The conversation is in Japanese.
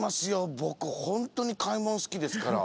僕ホントに買い物好きですから。